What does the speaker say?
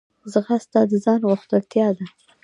ځغاسته د ځان غښتلتیا ده